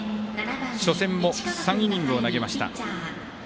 初戦も３イニングを投げました。